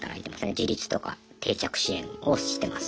自立とか定着支援をしてます。